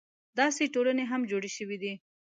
داسې ټولنې هم جوړې شوې دي.